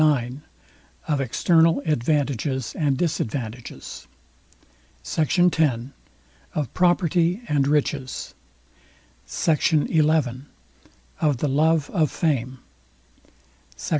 IX OF EXTERNAL ADVANTAGES AND DISADVANTAGES SECT. X OF PROPERTY AND RICHES SECT. XI OF THE LOVE OF FAME SECT.